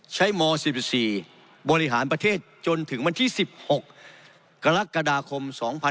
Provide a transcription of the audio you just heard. ม๔๔บริหารประเทศจนถึงวันที่๑๖กรกฎาคม๒๕๖๒